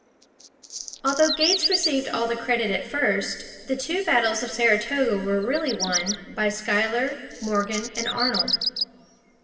Although Gates received all the credit at first, the two battles of Saratoga were really won by Schuyler, Morgan, and Arnold.